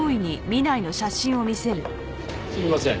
すみません。